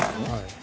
はい！